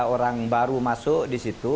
orang baru masuk di situ